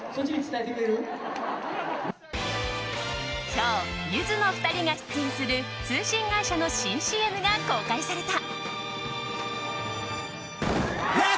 今日、ゆずの２人が出演する通信会社の新ＣＭが公開された。